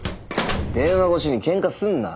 電話越しにケンカすんな。